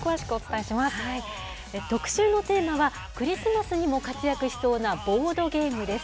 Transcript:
特集のテーマは、クリスマスにも活躍しそうな、ボードゲームです。